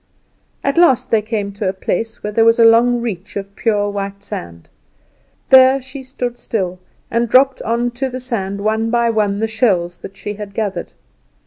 At last they came to a place where was a long reach of pure white sand; there she stood still, and dropped on to the sand one by one the shells that she had gathered.